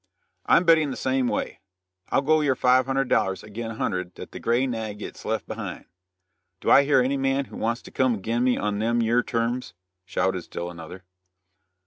"I'm betting the same way. I'll go yer five hundred dollars agin a hundred that the gray nag gits left behind. Do I hear any man who wants to come agin me on them yer terms?" shouted still another.